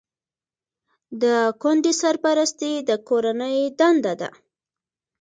د کونډې سرپرستي د کورنۍ دنده ده.